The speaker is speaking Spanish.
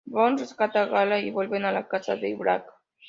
Bond rescata a Gala y vuelven a la casa de Drax.